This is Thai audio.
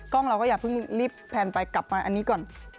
เราก็อย่าเพิ่งรีบแพลนไปกลับมาอันนี้ก่อน